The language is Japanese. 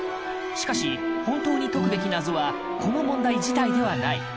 しかし本当に解くべき謎はこの問題自体ではない。